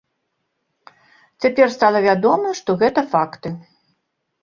Цяпер стала вядома, што гэта факты.